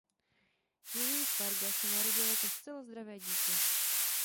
Julius Varga se narodil jako zcela zdravé dítě.